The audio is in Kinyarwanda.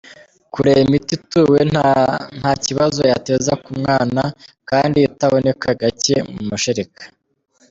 Kureba imiti ituwe nta kibazo yateza ku mwana kandi itaboneka gacye mu mashereka.